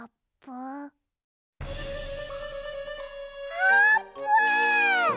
あーぷん！？